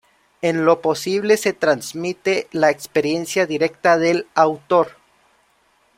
En lo posible se transmite la experiencia directa del autor.